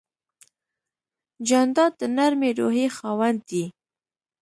جانداد د نرمې روحیې خاوند دی.